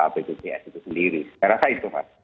bpjs itu sendiri saya rasa itu mas